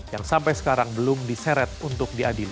yang sampai sekarang belum diseret untuk diadili